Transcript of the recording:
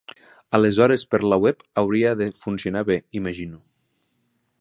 Aleshores per la web hauria de funcionar bé imagino.